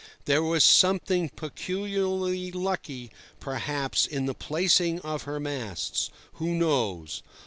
There was something peculiarly lucky, perhaps, in the placing of her masts—who knows?